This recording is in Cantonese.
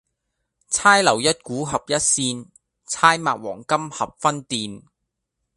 釵留一股合一扇，釵擘黃金合分鈿。